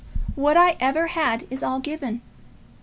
"What I ever had is all given.